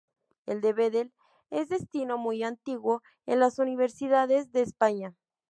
El de bedel es destino muy antiguo en las universidades de España.